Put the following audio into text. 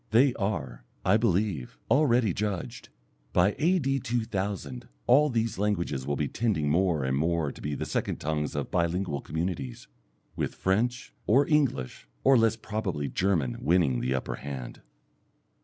They are, I believe, already judged. By A.D. 2000 all these languages will be tending more and more to be the second tongues of bi lingual communities, with French, or English, or less probably German winning the upper hand.